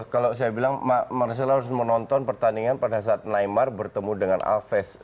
kalau saya bilang marcelo harus menonton pertandingan pada saat neymar bertemu dengan alves